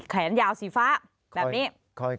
แขนยาวสีฟ้าแบบนี้